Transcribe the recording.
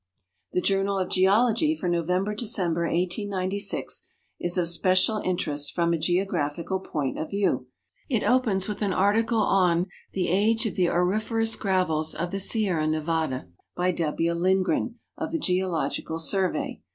The Journal of Geologij for November December, 1896, is of special in terest from a geographic point of view. It opens with an article on " The Age of the Auriferous Gravels of the Sierra Nevada," by W. Lindgren, of the Geological Survey.